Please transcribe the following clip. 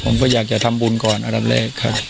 ผมก็อยากจะทำบุญก่อนอันดับแรกครับ